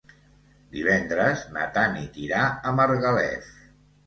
Divendres na Tanit irà a Margalef.